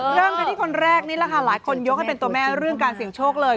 เริ่มกันที่คนแรกนี่แหละค่ะหลายคนยกให้เป็นตัวแม่เรื่องการเสี่ยงโชคเลย